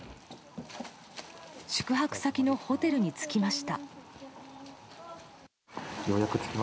宿泊先のホテルに着きました。